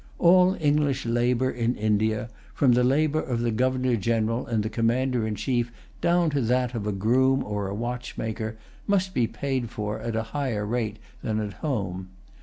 All English labor in India, from the labor of the Governor General and the Commander in Chief, down to that of a groom or a watchmaker, must be paid for at a higher rate than at home.